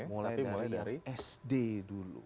mulai dari sd dulu